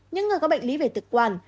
những người có bệnh lý về thực quản